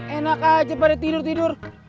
enak aja pada tidur tidur